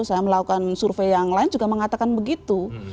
saya melakukan survei yang lain juga mengatakan begitu